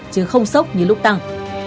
chứ không sốc như lúc tăng